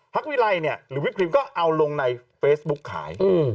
วิไลเนี่ยหรือวิปครีมก็เอาลงในเฟซบุ๊กขาย